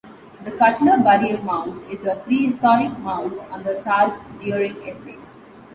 The Cutler Burial Mound is a prehistoric mound on the Charles Deering Estate.